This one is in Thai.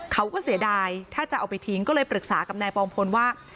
เขาก็เสียดายถ้าจะเอาไปทิ้งก็เลยปรึกษากับนายปองพลว่า